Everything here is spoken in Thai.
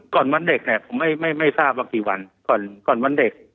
ก่อนวันเด็กเนี่ยผมไม่ไม่ไม่ทราบวันกี่วันก่อนก่อนวันเด็ก